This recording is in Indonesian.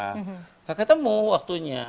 nggak ketemu waktunya